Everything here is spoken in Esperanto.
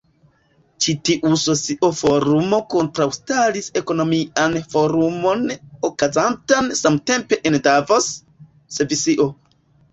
Ĉi tiu socia forumo kontraŭstaris ekonomian forumon okazantan samtempe en Davos, Svisio.